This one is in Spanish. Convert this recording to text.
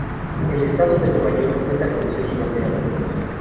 El Estado de Nueva York cuenta con sello y bandera propios.